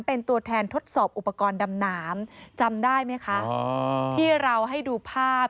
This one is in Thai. เป็นตัวแทนทดสอบอุปกรณ์ดำน้ำจำได้ไหมคะอ๋อที่เราให้ดูภาพ